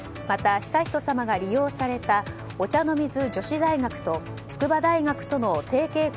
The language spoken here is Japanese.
また、悠仁さまが利用されたお茶の水女子大学と筑波大学との提携